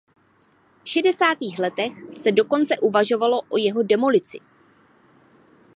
V šedesátých letech se dokonce uvažovalo o jeho demolici.